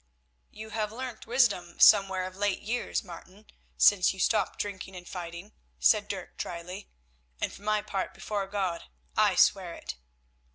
"You have learnt wisdom somewhere of late years, Martin, since you stopped drinking and fighting," said Dirk drily, "and for my part before God I swear it."